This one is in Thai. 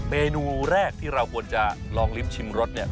เมนูแรกที่เราควรจะลองลิ้มชิมรสเนี่ย